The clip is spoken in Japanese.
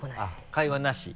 会話なし？